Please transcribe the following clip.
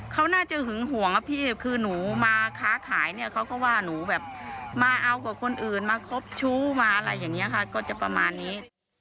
เขาน่าจะหึงห่วงอะพี่คือหนูมาค้าขายเนี่ยเขาก็ว่าหนูแบบมาเอากับคนอื่นมาครบชู้มาอะไรอย่างนี้ค่ะก็จะประมาณนี้